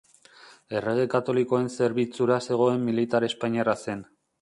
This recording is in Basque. Errege Katolikoen zerbitzura zegoen militar espainiarra zen.